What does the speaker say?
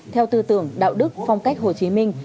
theo tư tưởng đạo đức phong cách hồ chí minh